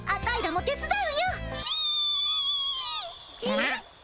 えっ？